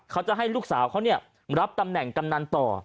เขาจะให้ลูกสาวเขารับตำแหน่งกำนันต่อ